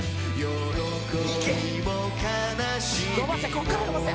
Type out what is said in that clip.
こっから伸ばせ！